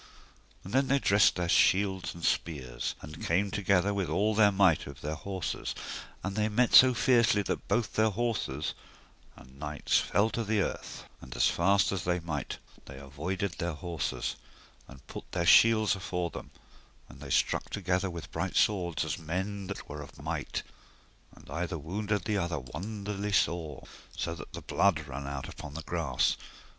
And then they dressed their shields and spears, and came together with all their might of their horses; and they met so fiercely that both their horses and knights fell to the earth, and as fast as they might avoided their horses, and put their shields afore them; and they struck together with bright swords, as men that were of might, and either wounded other wonderly sore, that the blood ran out upon the grass.